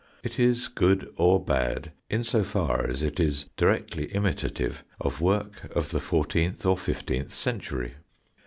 It is good or bad in so far as it is directly imitative of work of the fourteenth or fifteenth century.